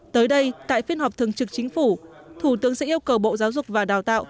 tới đây tại phiên họp thường trực chính phủ thủ tướng sẽ yêu cầu bộ giáo dục và đào tạo